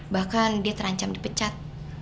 bahkan dia terancam dipecat